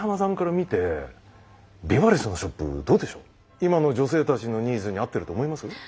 今の女性たちのニーズに合ってると思います？